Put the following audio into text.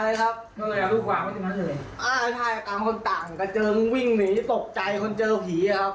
ดินอยู่ในปากเด็กได้ไหมครับ